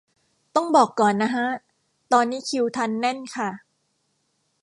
ต้องบอกก่อนนะฮะ ตอนนี้คิวทันแน่นค่ะ